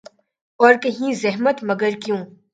اور کہیں زحمت ، مگر کیوں ۔